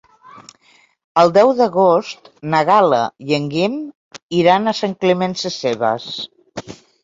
El deu d'agost na Gal·la i en Guim iran a Sant Climent Sescebes.